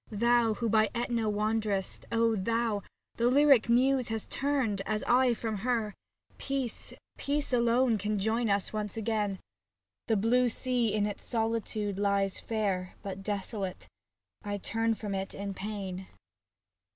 Thou, who by i^tna wanderest, O Thou! The Lyric Muse has turned, as I from her. Peace, Peace alone can join us once agam. 57 SAPPHO TO PHAON The blue sea in its solitude lies fair, But, desolate, I turn from it in pain.